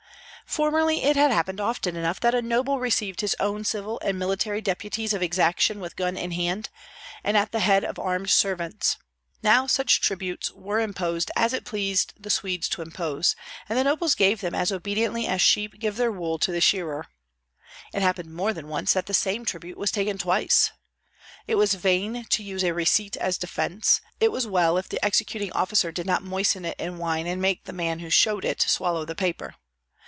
Formerly it happened often enough that a noble received his own civil and military deputies of exaction with gun in hand, and at the head of armed servants; now such tributes were imposed as it pleased the Swedes to impose, and the nobles gave them as obediently as sheep give their wool to the shearer. It happened more than once that the same tribute was taken twice. It was vain to use a receipt as defence; it was well if the executing officer did not moisten it in wine and make the man who showed it swallow the paper.